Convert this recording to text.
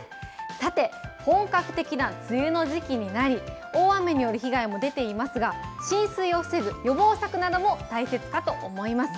さて、本格的な梅雨の時期になり、大雨による被害も出ていますが、浸水を防ぐ予防策なども大切かと思います。